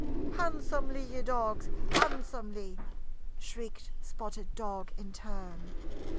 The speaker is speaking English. "Handsomely, ye dogs, handsomely!" shrieked Spotted Dog in turn.